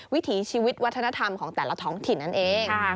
วิถีชีวิตวัฒนธรรมของแต่ละท้องถิ่นนั่นเอง